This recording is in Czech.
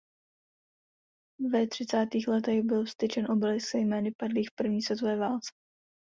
Ve třicátých letech byl vztyčen obelisk se jmény padlých v první světové válce.